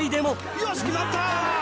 よし決まった！